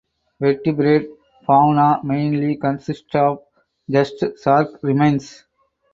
Vertebrate fauna mainly consists of just shark remains.